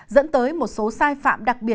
dẫn tới một số sai phạm đặc biệt